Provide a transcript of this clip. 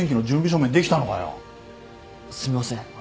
すみません。